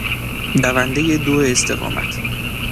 دوندهی دو استقامت